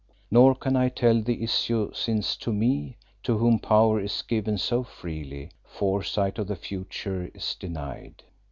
Nor can I tell the issue since to me, to whom power is given so freely, foresight of the future is denied.